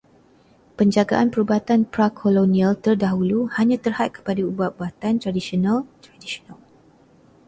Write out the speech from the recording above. Penjagaan perubatan pra-kolonial terdahulu hanya terhad kepada ubat-ubatan tradisional tradisional.